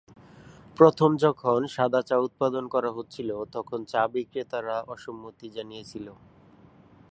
প্রথম যখন সাদা চা উৎপাদন করা হচ্ছিল তখন চা বিক্রেতারা অসম্মতি জানিয়েছিল।